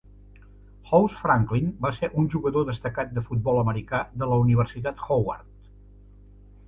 House Franklin va ser un jugador destacat de futbol americà de la Universitat Howard.